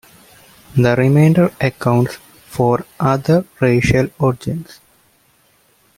The remainder accounts for other racial origins.